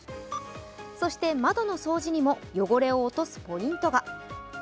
そして、窓の掃除にも汚れを落とすポイントが。